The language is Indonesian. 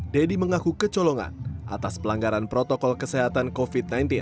deddy mengaku kecolongan atas pelanggaran protokol kesehatan covid sembilan belas